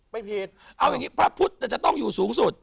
ไม่ผิดเอาอย่างนี้พระพุทธจะต้องอยู่สูงสุด